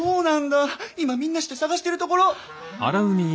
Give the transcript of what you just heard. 今みんなして捜してるところ！